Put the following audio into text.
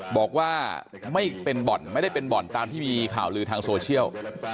บอกว่าไม่เป็นบ่อนไม่ได้เป็นบ่อนตามที่มีข่าวลือทางโซเชียล